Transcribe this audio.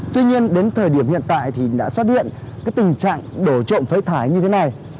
tuy nhiên đến thời điểm hiện tại đã xót điện tình trạng đổ trộm phế thái như thế này